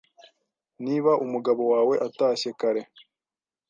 Niba umugabo wawe atashye kare